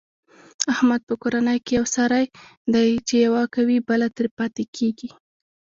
احمد په کورنۍ کې یو سری دی، چې یوه کوي بله ترې پاتې کېږي.